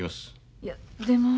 いやでも。